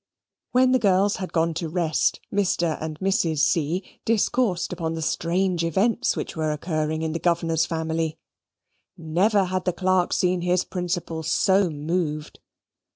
When the girls had gone to rest, Mr. and Mrs. C. discoursed upon the strange events which were occurring in the governor's family. Never had the clerk seen his principal so moved.